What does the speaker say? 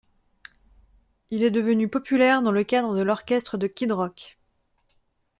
Il est devenu populaire dans le cadre de l'orchestre de Kid Rock.